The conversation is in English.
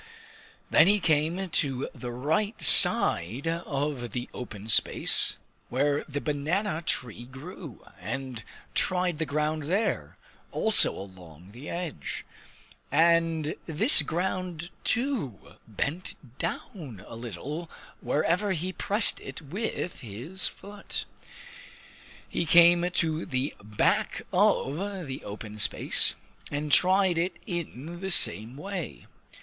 Then he came to the right side of the open space where the banana tree grew, and tried the ground there also along the edge. And this ground too bent down a little wherever he pressed it with his foot. He came to the back of the open space, and tried it in the same way.